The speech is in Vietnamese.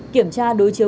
kiểm tra đối chiếu